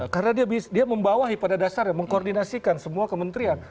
karena dia membawahi pada dasarnya mengkoordinasikan semua kementerian